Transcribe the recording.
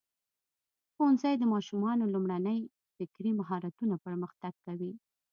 ښوونځی د ماشومانو لومړني فکري مهارتونه پرمختګ کوي.